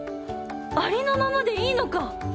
ありのままでいいのか！